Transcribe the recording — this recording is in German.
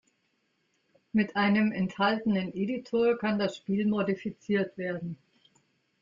Mit einem enthaltenen Editor kann das Spiel modifiziert werden.